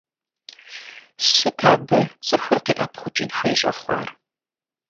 Сыт абы цӀыхур къиӀэпхъукӀын хуей щӀэхъуар?